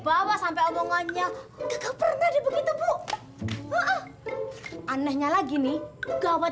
ada apa gerangan